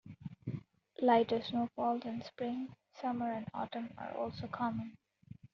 Lighter snowfalls in spring, summer and autumn are also common.